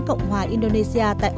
không chỉ gặp